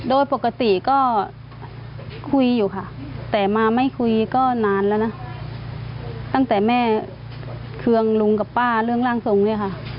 โดยปกติก็คุยอยู่ค่ะแต่มาไม่คุยก็นานแล้วนะตั้งแต่แม่เคืองลุงกับป้าเรื่องร่างทรงด้วยค่ะ